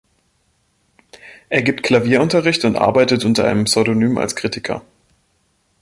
Er gibt Klavierunterricht und arbeitet unter einem Pseudonym als Kritiker.